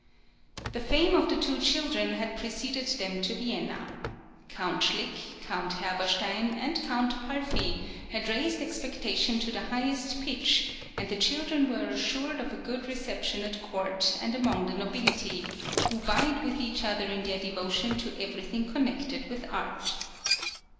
The fame of the two children had preceded them to Vienna. Count Schlick, Count Herberstein, and Count Palfy had raised expectation to the highest pitch, and the children were assured of a good reception at court and among the nobility, who vied with each other in their devotion to everything connected with art.